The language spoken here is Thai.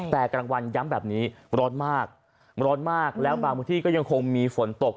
แต่กลางวันย้ำแบบนี้ร้อนมากร้อนมากแล้วบางพื้นที่ก็ยังคงมีฝนตก